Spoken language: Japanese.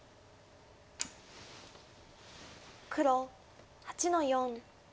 黒８の四。